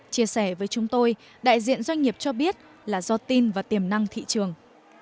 chia sẻ với chúng tôi đại diện doanh nghiệp cho biết là do tin và tiềm năng thị trường